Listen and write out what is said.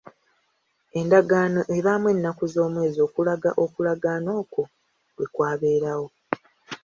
Endagaano ebaamu ennaku z'omwezi okulaga okulagaana okwo lwe kwabeerawo.